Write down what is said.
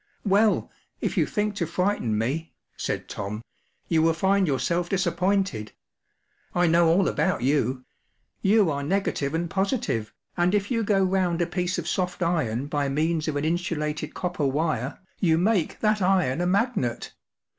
“ Well, if you think to frighten me," said Tom, “ you will find yourself disappointed. 1 know all about you ; you are negative and positive, and if you go round a piece of soft iron by means of an insulated copper wire, you make that iron a magnet.